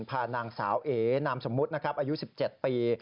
พานางสาวเอนามสมมุตินะครับอายุ๑๗ปี